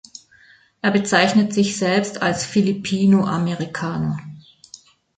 Er bezeichnet sich selbst als Filipino-Amerikaner.